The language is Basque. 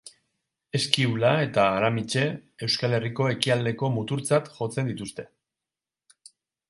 Eskiula eta Aramitse, Euskal Herriko ekialdeko muturtzat jotzen dituzte.